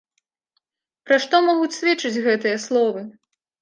Пра што могуць сведчыць гэтыя словы?